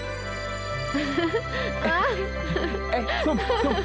eh eh sum sum